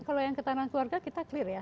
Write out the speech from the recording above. kalau yang ketahanan keluarga kita clear ya